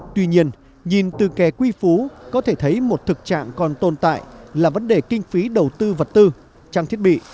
tuy nhiên nhìn từ kè quy phú có thể thấy một thực trạng còn tồn tại là vấn đề kinh phí đầu tư vật tư trang thiết bị